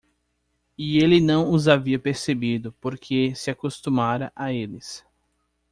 E ele não os havia percebido porque se acostumara a eles.